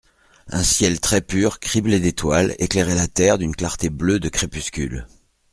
Un ciel très pur, criblé d'étoiles, éclairait la terre d'une clarté bleue de crépuscule.